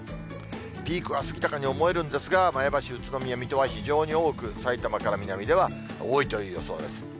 ピークは過ぎたかに思えるんですが、前橋、宇都宮、水戸は非常に多く、さいたまから南では多いという予想です。